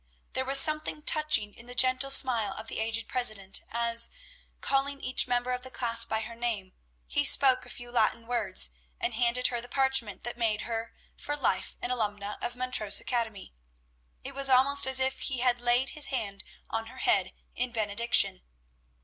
There was something touching in the gentle smile of the aged president as, calling each member of the class by her name, he spoke a few Latin words and handed her the parchment that made her for life an alumna of Montrose Academy. It was almost as if he had laid his hand on her head in benediction.